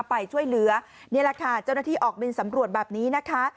ไปช่วยเหลือนี่แหละค่ะเจ้าหน้าที่ออกบินสำรวจแบบนี้นะคะ